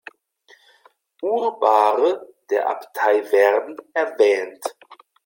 Urbare, der Abtei Werden erwähnt.